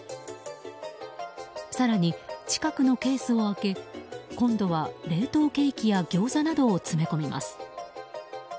更に近くのケースを開け今度は冷凍ケーキやギョーザなどを詰め込みます。